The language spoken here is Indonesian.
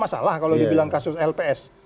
kalau dibilang kasus lps